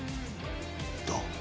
どう？